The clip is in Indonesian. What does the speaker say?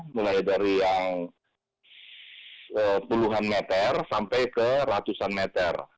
mulai dari yang puluhan meter sampai ke ratusan meter